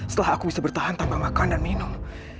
setelah aku bisa bertahan tanpa makan dan minum